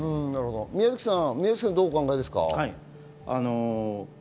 宮崎さんはどうお考えですか？